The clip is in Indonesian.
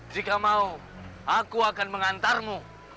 jika mau aku akan mengantarmu